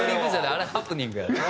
あれハプニングやな。